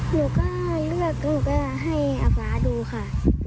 หนูก็เลือกหนูก็ให้อาฟ้าดูค่ะ